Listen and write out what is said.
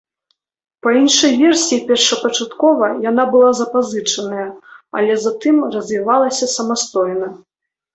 Па іншай версіі першапачаткова яна была запазычаная, але затым развівалася самастойна.